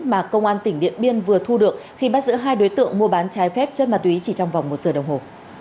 mà công an tỉnh điện biên vừa thu được khi bắt giữ hai đối tượng mua bán trái phép chất ma túy chỉ trong vòng một giờ đồng hồ